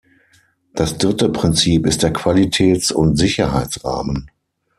Das dritte Prinzip ist der Qualitäts- und Sicherheitsrahmen.